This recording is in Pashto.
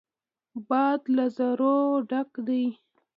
باد له زور ډک دی.